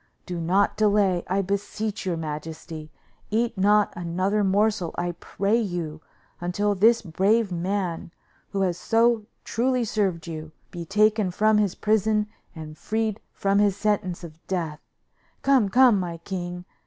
Do not delay, I beseech your majesty. Eat not another morsel, I pray you, until this brave man, who has so truly served you, be taken from his prison and freed from his sentence of death. Come, come, my king!